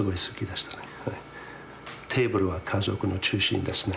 テーブルは家族の中心ですね。